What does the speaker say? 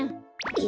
え？